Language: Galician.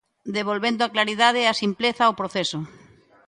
Devolvendo a claridade e a simpleza ao proceso.